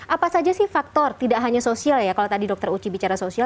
apa saja sih faktor tidak hanya sosial ya kalau tadi dokter uci bicara sosial